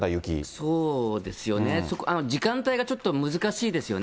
そうですよね、時間帯がちょっと難しいですよね。